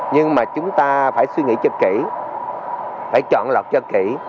nhưng mà chúng ta phải suy nghĩ cho kỹ phải chọn lọc cho kỹ